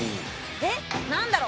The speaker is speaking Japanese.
えっ何だろう？